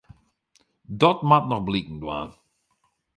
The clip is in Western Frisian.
Dat moat noch bliken dwaan.